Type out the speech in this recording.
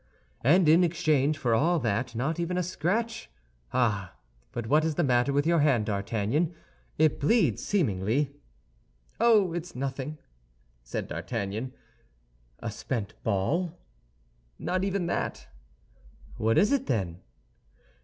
"And in exchange for all that not even a scratch! Ah, but what is the matter with your hand, D'Artagnan? It bleeds, seemingly." "Oh, it's nothing," said D'Artagnan. "A spent ball?" "Not even that." "What is it, then?"